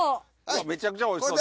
めちゃくちゃおいしそう。